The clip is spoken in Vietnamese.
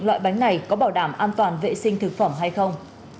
loại bánh này có bảo đảm an toàn vệ sinh thực phẩm hay không